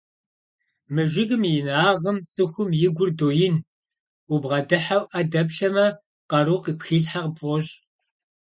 Мы жыгым и инагъым цӀыхум и гур доин, убгъэдыхьэу Ӏэ дэплъэмэ, къару къыпхилъхьа къыпфӀощӀ.